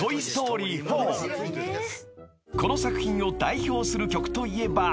［この作品を代表する曲といえば］